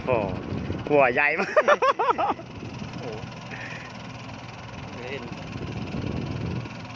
โอ้โหหัวใหญ่มาก